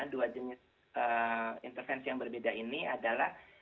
dua jenis intervensi yang berbeda ini adalah